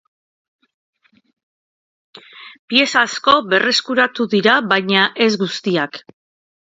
Pieza asko berreskuratu dira baina ez guztiak.